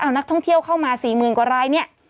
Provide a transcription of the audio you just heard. เอานักท่องเที่ยวเข้ามา๔๐๐๐กว่ารายเนี่ย